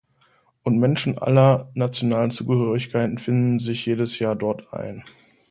Und Menschen aller nationalen Zugehörigkeiten finden sich jedes Jahr dort ein.